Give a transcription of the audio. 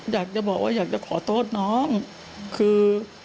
อยากจะบอกว่าอยากจะขอโทษน้องคือ